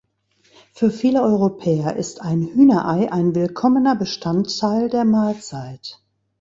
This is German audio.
Für viele Europäer ist ein Hühnerei ein willkommener Bestandteil der Mahlzeit.